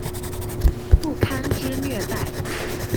不堪之虐待